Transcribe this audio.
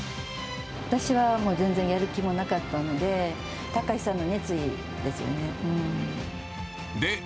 私はもう全然、やる気もなかったので、高師さんの熱意ですよね。